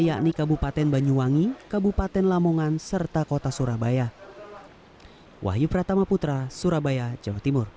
yakni kabupaten banyuwangi kabupaten lamongan serta kota surabaya